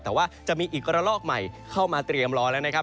แต่ว่าจะมีอีกระลอกใหม่เข้ามาเตรียมรอแล้วนะครับ